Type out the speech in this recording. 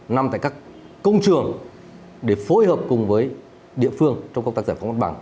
nằm tại các công trường để phối hợp cùng với địa phương trong công tác giải phóng mặt bằng